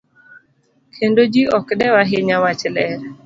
Kendo ji ok dew ahinya wach ler.